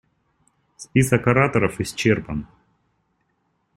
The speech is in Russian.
Список ораторов исчерпан.